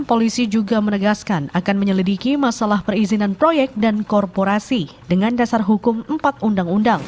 polisi juga menegaskan akan menyelidiki masalah perizinan proyek dan korporasi dengan dasar hukum empat undang undang